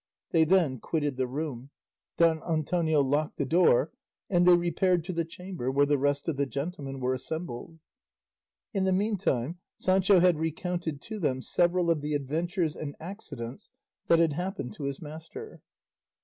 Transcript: They then quitted the room, Don Antonio locked the door, and they repaired to the chamber where the rest of the gentlemen were assembled. In the meantime Sancho had recounted to them several of the adventures and accidents that had happened his master.